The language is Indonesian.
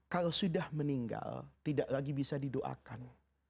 kalau sudah meninggal tidak lagi bisa didoakan